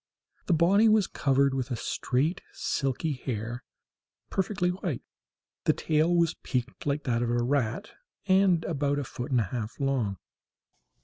The body was covered with a straight silky hair, perfectly white. The tail was peaked like that of a rat, and about a foot and a half long.